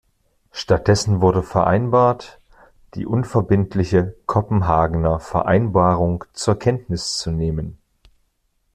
Stattdessen wurde vereinbart, die unverbindliche „Kopenhagener Vereinbarung“ zur Kenntnis zu nehmen.